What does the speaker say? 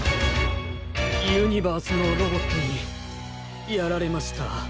ユニバースのロボットにやられました。